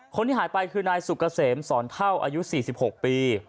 คนที่หายไปคือนายศูกเกษมศรนเท่าอายุสี่สิบหกปี